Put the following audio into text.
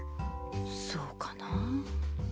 そうかなあ。